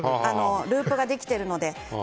ループができているので。